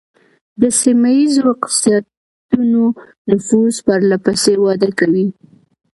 د سیمه ایزو اقتصادونو نفوذ پرله پسې وده کوي